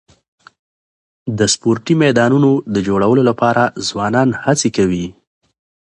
د سپورټي میدانونو د جوړولو لپاره ځوانان هڅي کوي.